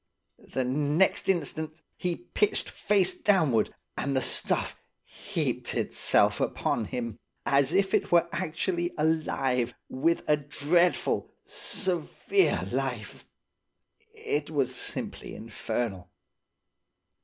The next instant he pitched face downward, and the stuff heaped itself upon him, as if it were actually alive, with a dreadful, severe life. It was simply infernal.